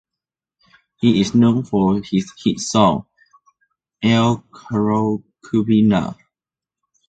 He is known for his hit song "‘Ayo Choro Kupi Na’".